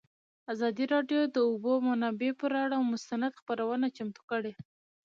ازادي راډیو د د اوبو منابع پر اړه مستند خپرونه چمتو کړې.